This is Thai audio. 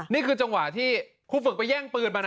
นี่คือจังหวะที่ครูฝึกไปแย่งปืนมานะ